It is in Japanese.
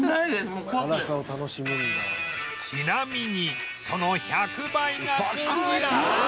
ちなみにその１００倍がこちら